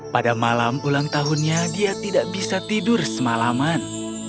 pada malam ulang tahunnya dia tidak bisa tidur semalaman